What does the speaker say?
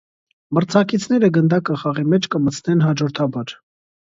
Մրցակիցները՝ գնդակը խաղի մէջ կը մտցնեն յաջորդաբար։